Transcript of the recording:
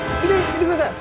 見てください！